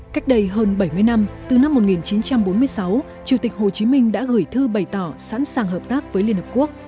cách đây hơn bảy mươi năm từ năm một nghìn chín trăm bốn mươi sáu chủ tịch hồ chí minh đã gửi thư bày tỏ sẵn sàng hợp tác với liên hợp quốc